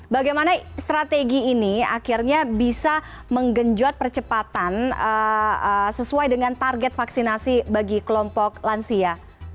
bagaimana strategi ini akhirnya bisa menggenjot percepatan sesuai dengan target vaksinasi bagi kelompok lansia